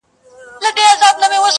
مثبت فکر د سکون راز دی.